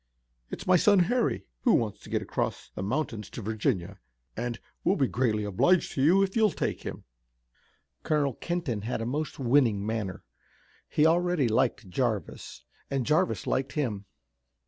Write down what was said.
It's my son Harry, who wants to get across the mountains to Virginia, and we'll be greatly obliged to you if you'll take him." Colonel Kenton had a most winning manner. He already liked Jarvis, and Jarvis liked him.